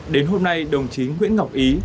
đến hôm nay đồng chí nguyễn ngọc ý